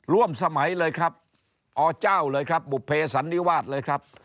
ร่วมสมัยเลยครับอเจ้าเลยครับบุภเพสันนิวาสเลยครับ